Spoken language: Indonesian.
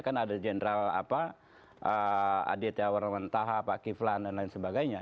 kan ada jenderal aditya warmantaha pak kiflan dan lain sebagainya